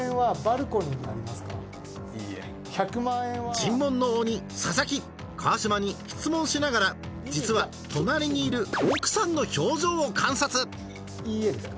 尋問の鬼・佐々木川島に質問しながら実は隣にいる奥さんの表情を観察「いいえ」ですか？